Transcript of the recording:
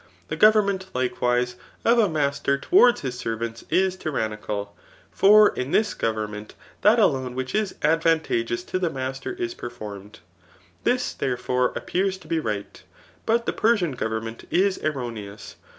The goyenunent, i&Leirise^ of a master towards his servants is tyrannical; 6m m this government that alone which is advantageous to the master is performed. This, therefore, appears to be right ; but the Persian government is erroneous.